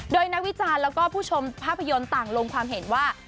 โดยนักวิจารณ์แล้วก็ผู้ชมภาพยนตร์ต่างลงความเห็นว่า